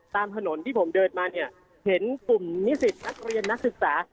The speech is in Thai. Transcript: ตามถนนที่ผมเดินมาเนี่ยเห็นกลุ่มนิสิตนักเรียนนักศึกษา